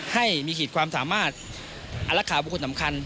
ให้มีขีดความสามารถอารักษาบุคคลสำคัญ